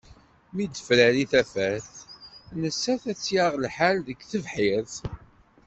Mi d-tefrari tafat, nettat ad tt-yaɣ lḥal deg tebḥirt.